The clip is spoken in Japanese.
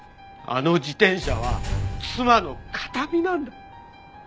あの自転車は妻の形見なんだ！